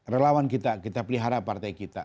relawan kita kita pelihara partai kita